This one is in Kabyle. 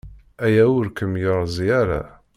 Aya ur kem-yerzi ara.